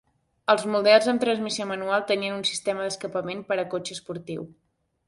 Els models amb transmissió manual tenien un sistema d'escapament per a cotxe esportiu.